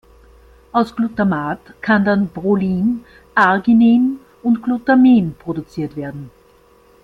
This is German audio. Aus Glutamat kann dann Prolin, Arginin und Glutamin produziert werden.